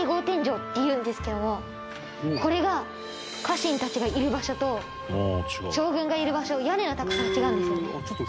天井っていうんですけどもこれが家臣たちがいる場所と将軍がいる場所屋根の高さが違うんですよね。